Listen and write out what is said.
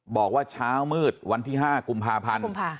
บอกว่าเช้ามืดวันที่๕กุมภาพันธ์